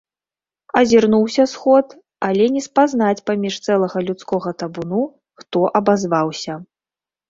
Азірнуўся сход, але не спазнаць паміж цэлага людскога табуну, хто абазваўся.